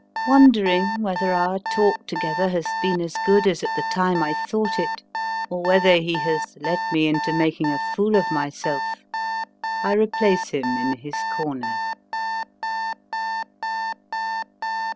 Wondering whether our talk together has been as good as at the time I thought it, or whether he has led me into making a fool of myself, I replace him in his corner.